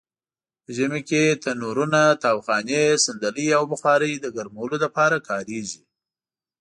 په ژمې کې تنرونه؛ تاوخانې؛ صندلۍ او بخارۍ د ګرمولو لپاره کاریږي.